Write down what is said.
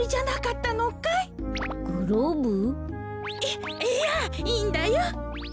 いいやいいんだよ。